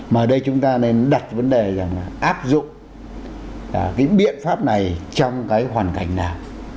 mà ở đây chúng ta nên đặt vấn đề rằng là áp dụng cái biện pháp này trong cái hoàn cảnh nào